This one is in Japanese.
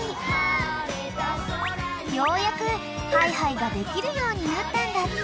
［ようやくハイハイができるようになったんだって］